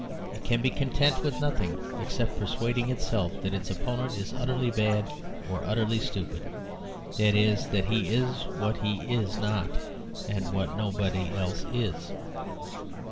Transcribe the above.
It can be content with nothing except persuading itself that its opponent is utterly bad or utterly stupid that is, that he is what he is not and what nobody else is.